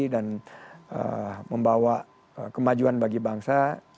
membawa kemajuan bagi bangsa